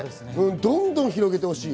どんどん広げてほしい。